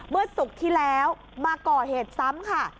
เมื่อศุกร์ที่แล้วมาก่อเหตุซ้ำค่ะ